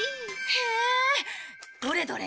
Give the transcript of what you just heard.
へえどれどれ。